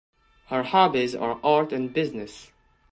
Her hobbies are art and business.